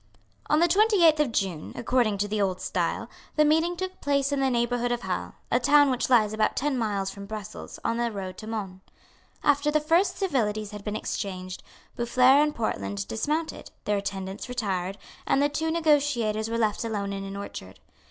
On the twenty eighth of June, according to the Old Style, the meeting took place in the neighbourhood of Hal, a town which lies about ten miles from Brussels, on the road to Mons. After the first civilities had been exchanged, Boufflers and Portland dismounted; their attendants retired; and the two negotiators were left alone in an orchard.